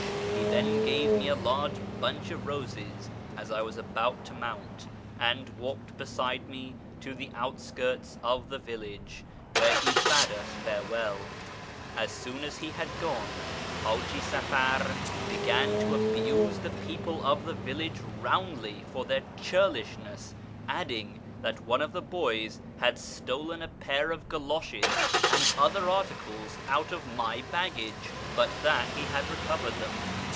He then gave me a large bunch of roses as I was about to mount, and walked beside me to the outskirts of the village, where he bade us farewell. As soon as he had gone, Haji Safar began to abuse the people of the village roundly for their churlishness, adding that one of the boys had stolen a pair of goloshes and other articles out of my baggage, but that he had recovered them.